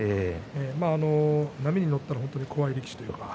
波に乗ったら本当に怖い力士です。